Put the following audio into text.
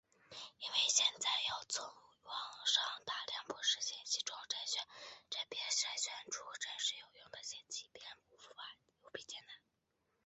因为现在要从网上大量不实信息中甄别筛选出真实有用的信息已变的无比艰难。